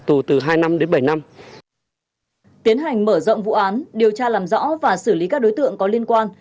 tiến hành mở rộng vụ án điều tra làm rõ và xử lý các đối tượng có liên quan